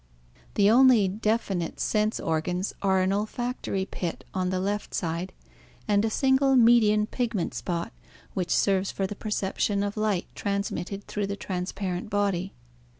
The only definite sense organs are an olfactory pit on the left side and a single median pigment spot which serves for the perception of light transmitted through the transparent body.